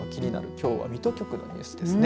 きょうは水戸局のニュースですね。